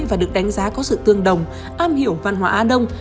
và được đánh giá có sự tương đồng am hiểu văn hóa á đông